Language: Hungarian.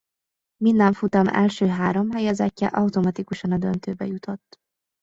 Minden futam első három helyezettje automatikusan a döntőbe jutott.